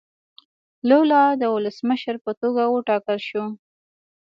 لولا د ولسمشر په توګه وټاکل شو.